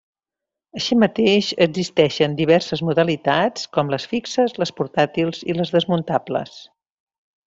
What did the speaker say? Així mateix, existeixen diverses modalitats, com les fixes, les portàtils i les desmuntables.